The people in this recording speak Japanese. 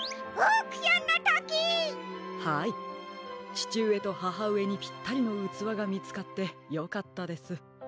ちちうえとははうえにぴったりのうつわがみつかってよかったです。